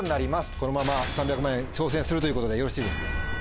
このまま３００万円挑戦するということでよろしいですか？